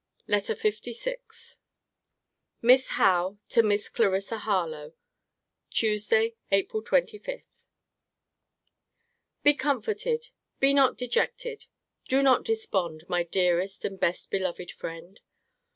LETTER LVI MISS HOWE, TO MISS CLARISSA HARLOWE TUESDAY, APRIL 25. Be comforted; be not dejected; do not despond, my dearest and best beloved friend.